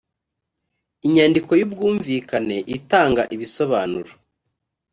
inyandiko y ubwumvikane itanga ibisobanuro